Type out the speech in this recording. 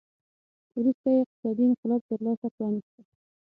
وروسته یې اقتصادي انقلاب ته لار پرانېسته.